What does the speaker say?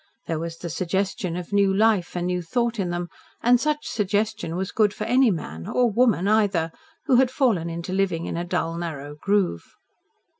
There was the suggestion of new life and new thought in them, and such suggestion was good for any man or woman, either who had fallen into living in a dull, narrow groove.